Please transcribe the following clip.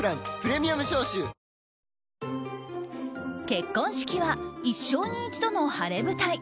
結婚式は一生に一度の晴れ舞台。